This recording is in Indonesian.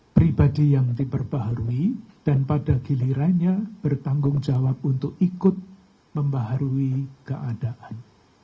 pribadi yang diperbaharui dan pada gilirannya bertanggung jawab untuk ikut membaharui keadaan